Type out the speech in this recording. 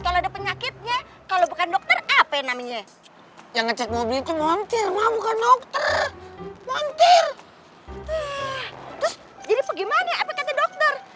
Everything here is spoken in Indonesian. terus jadi gimana apa kata dokter